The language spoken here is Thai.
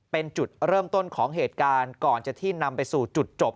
เป็นจุดเริ่มต้นของเหตุการณ์ก่อนจะที่นำไปสู่จุดจบ